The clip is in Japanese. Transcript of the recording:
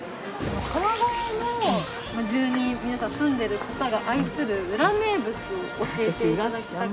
川越の住人皆さん住んでる方が愛する裏名物を教えていただきたくて。